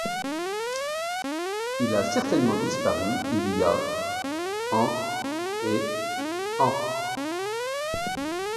Il a certainement disparu il y a entre et ans.